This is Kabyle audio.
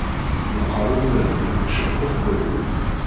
Neqqaṛ imir-nni celqef berru.